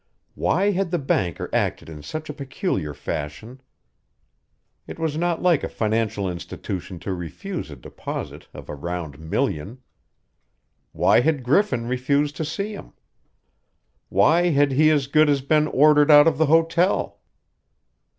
Why had the banker acted in such a peculiar fashion? It was not like a financial institution to refuse a deposit of a round million. Why had Griffin refused to see him? Why had he as good as been ordered out of the hotel?